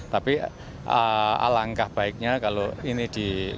tapi alangkah baiknya kalau ini di